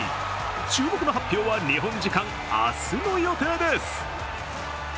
注目の発表は日本時間明日の予定です。